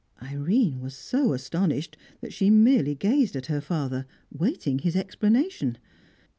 Irene was so astonished that she merely gazed at her father, waiting his explanation.